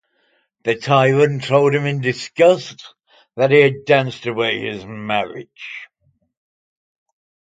The tyrant told him in disgust that he had danced away his marriage.